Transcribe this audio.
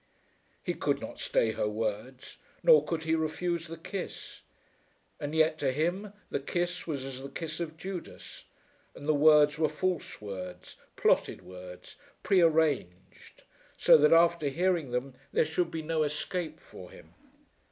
He could not stay her words, nor could he refuse the kiss. And yet to him the kiss was as the kiss of Judas, and the words were false words, plotted words, pre arranged, so that after hearing them there should be no escape for him.